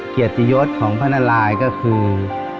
เกียรติยศของพระนารายก็คือ